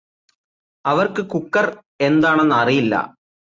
അവർക്ക് കുക്കർ എന്താണന്ന് അറിയില്ലാ